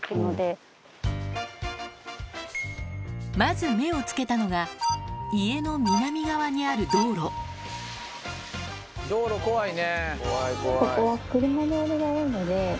まず目をつけたのが家の南側にある道路道路怖いね。